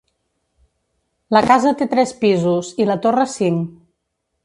La casa té tres pisos i la torre cinc.